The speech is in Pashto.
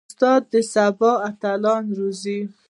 استاد د سبا اتلان روزي.